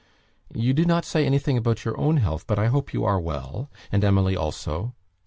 You do not say anything about your own health, but I hope you are well, and Emily also.